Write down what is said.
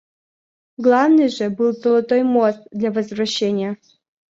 Главное же — был золотой мост для возвращения.